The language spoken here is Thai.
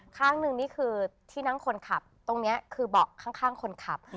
ข้างหนึ่งนี่คือที่นั่งคนขับตรงนี้คือเบาะข้างคนขับ